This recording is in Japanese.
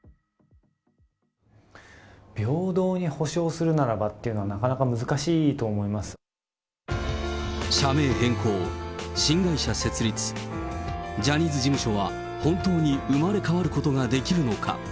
平等に補償するならばっていうのは、なかなか難しいと思いま社名変更、新会社設立、ジャニーズ事務所は本当に生まれ変わることができるのか。